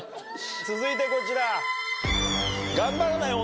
続いてこちら。